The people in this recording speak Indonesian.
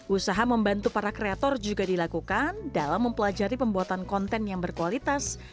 usaha membantu para kreator juga dilakukan dalam mempelajari pembuatan konten yang berkualitas